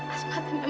asma tuh memang salah